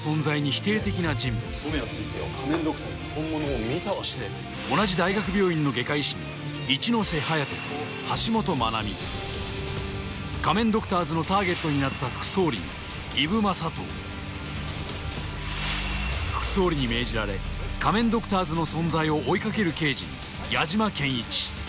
否定的な人物そして同じ大学病院の外科医師に一ノ瀬颯と橋本マナミ仮面ドクターズのターゲットになった副総理に伊武雅刀副総理に命じられ仮面ドクターズの存在を追いかける刑事に矢島健一